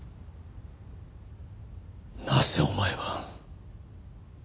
なぜお前は。